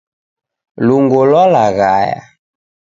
Lungo lwalaghaya.